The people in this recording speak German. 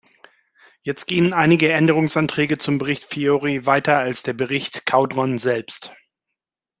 Jetzt gehen einige Änderungsanträge zum Bericht Fiori weiter als der Bericht Caudron selbst.